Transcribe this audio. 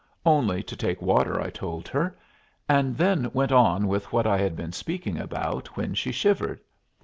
"Only to take water," I told her, and then went on with what I had been speaking about when she shivered.